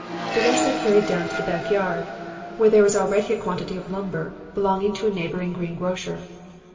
The rest I carried down to the back yard, where already was a quantity of lumber belonging to a neighboring green grocer.